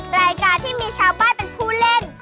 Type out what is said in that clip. รายการที่มีชาวบ้านเป็นผู้เล่น